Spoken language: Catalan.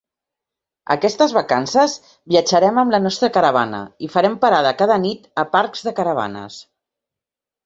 Aquestes vacances viatjarem amb la nostra caravana i farem parada cada nit a parcs de caravanes.